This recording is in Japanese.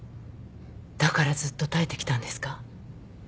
だからずっと耐えてきたんですか？